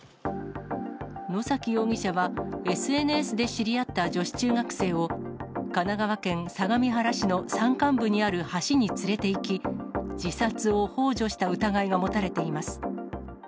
野崎容疑者はＳＮＳで知り合った女子中学生を、神奈川県相模原市の山間部にある橋に連れていき、自殺をほう助した疑いが持たれています。